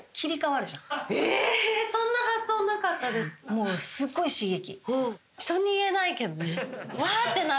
もうすごい刺激！